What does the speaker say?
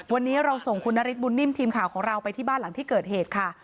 วันนี้เราส่งคุณนฤทธบุญนิ่มทีมข่าวของเราไปที่บ้านหลังที่เกิดเหตุค่ะ